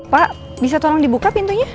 pak bisa tolong dibuka pintunya